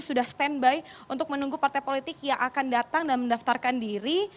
sudah standby untuk menunggu partai politik yang akan datang dan mendaftarkan diri